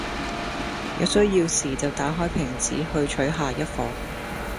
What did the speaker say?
在需要時就打開瓶子去取下一夥